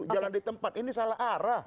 jalan di tempat ini salah arah